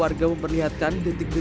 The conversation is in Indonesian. dua puluh ngeliatnya itu